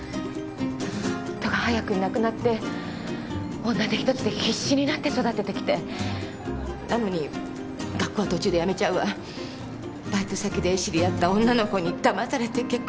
夫が早くに亡くなって女手一つで必死になって育ててきてなのに学校は途中でやめちゃうわバイト先で知り合った女の子にだまされて結婚しちゃうわ。